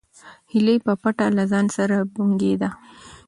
هیلې په پټه کې له ځان سره بونګېده.